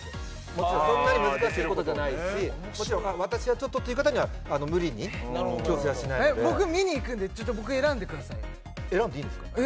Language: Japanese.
もちろんそんなに難しいことじゃないし「私はちょっと」という方には無理に強制はしないので僕見に行くんで僕選んでくださいよ選んでいいんですか？